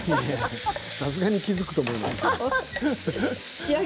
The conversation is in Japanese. さすがに気付くと思います。